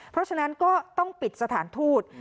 เพราะฉะนั้นก็ต้องปิดสถานทูต